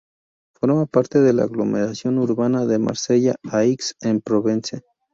Forma parte de la aglomeración urbana de Marsella-Aix-en-Provence.